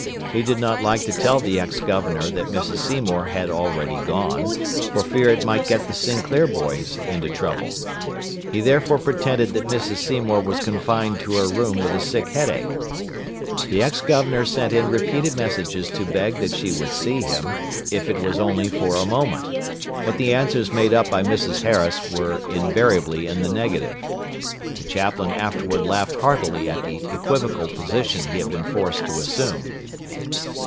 He did not like to tell the ex governor that Mrs. Seymour had already gone, for fear it might get the Sinclair boys into trouble. He therefore pretended that Mrs. Seymour was confined to her room with a sick headache. The ex governor sent in repeated messages to beg that she would see him, if it was only for a moment, but the answers made up by Mrs. Harris were invariably in the negative. The chaplain afterward laughed heartily at the equivocal position he had been forced to assume.